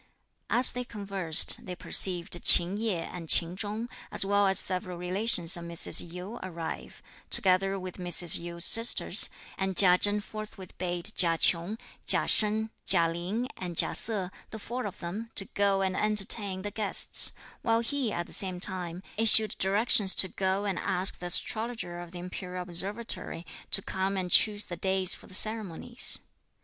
As they conversed, they perceived Ch'in Yeh and Ch'in Chung, as well as several relations of Mrs. Yu, arrive, together with Mrs. Yu's sisters; and Chia Chen forthwith bade Chia Ch'ung, Chia Shen, Chia Lin and Chia Se, the four of them, to go and entertain the guests; while he, at the same time, issued directions to go and ask the Astrologer of the Imperial Observatory to come and choose the days for the ceremonies.